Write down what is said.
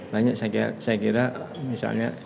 banyak saya kira misalnya